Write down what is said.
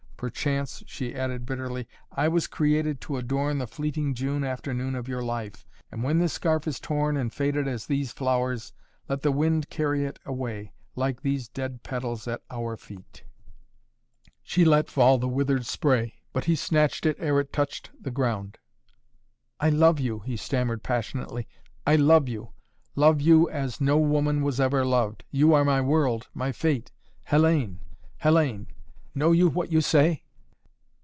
Perchance," she added bitterly, "I was created to adorn the fleeting June afternoon of your life, and when this scarf is torn and faded as these flowers, let the wind carry it away, like these dead petals at our feet " She let fall the withered spray, but he snatched it ere it touched the ground. "I love you," he stammered passionately. "I love you! Love you as no woman was ever loved. You are my world my fate Hellayne! Hellayne! Know you what you say?"